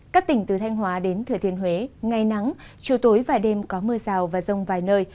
các tỉnh từ thanh hóa đến thừa thiên huế ngày nắng chiều tối và đêm có mưa rào và rông vài nơi